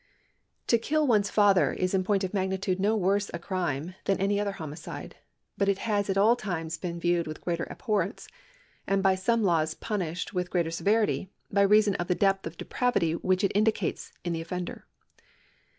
To kill one's father is in point of magnitude no worse a crime than any other homicide, but it has at all times been viewed with greater abhorrence, and by some laws punished with greater severity, by reason of the depth of depravit}'^ which it indicates in the offender.